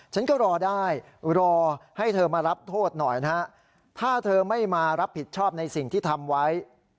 ฉันก็รอได้รอให้เธอมารับโทษหน่อยนะฮะถ้าเธอไม่มารับผิดชอบในสิ่งที่ทำไว้